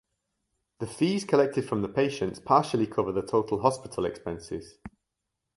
The fees collected from the patients partially cover the total hospital expenses.